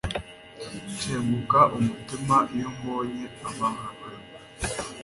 nshenguka umutima iyo mbonye abahakanyi